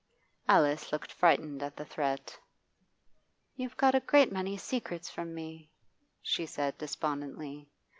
Alice looked frightened at the threat. 'You've got a great many secrets from me,' she said despondently.